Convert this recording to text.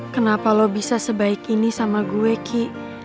kenapa lo bisa sebaik ini sama gue ki